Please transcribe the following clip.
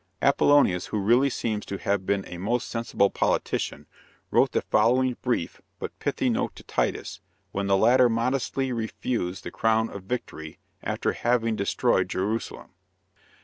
Apollonius, who really seems to have been a most sensible politician, wrote the following brief but pithy note to Titus, when the latter modestly refused the crown of victory, after having destroyed Jerusalem.